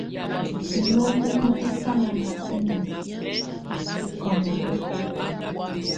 Hinó hɛ́ mɔ́tɛ́fáná niɔ̀fɛna ú kámelun.